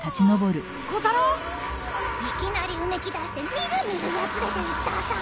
いきなりうめきだしてみるみるやつれていったさ。